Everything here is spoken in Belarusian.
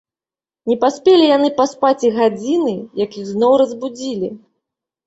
Не паспелі яны паспаць і гадзіны, як іх зноў разбудзілі.